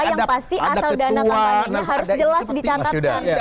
yang pasti asal dana kampanye harus jelas dicatatkan